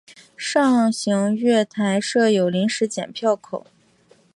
上行月台设有临时剪票口。